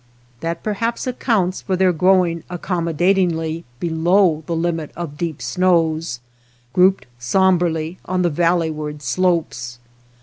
That perhaps accounts for their growing accommodatingly below the limit of deep snows, grouped sombrely on the valley ward slopes.